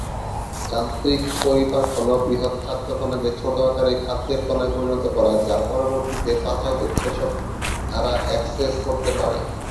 যান্ত্রিক পরিপাক হল বৃহৎ খাদ্য কণাকে ছোট আকারে খাদ্যের কণায় পরিণত করা যা পরবর্তীতে পাচক উৎসেচক দ্বারা অ্যাক্সেস করতে পারে।